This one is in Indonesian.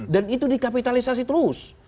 dan itu dikapitalisasi terus